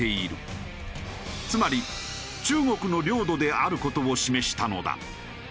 つまり中国の領土である事を示したのだ。